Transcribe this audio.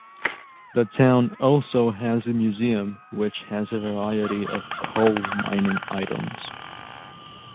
The town also has a museum which has a variety of coal mining items.